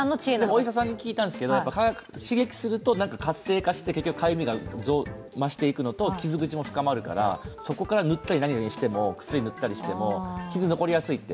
お医者さんに聞いたんですけど刺激すると活性化して結局、かゆみが増していくのと、傷口も深まるからそこから薬を塗ったりしても傷が残りやすいって。